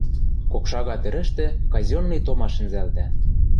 Кокшага тӹрӹштӹ казённый тома шӹнзӓлтӓ.